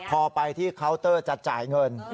พอไปที่เคาน์เตอร์จะจ่ายเงิน